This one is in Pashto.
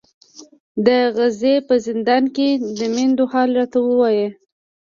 د غزې په زندان کې د میندو حال راته وایي.